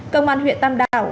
công an huyện tam đảo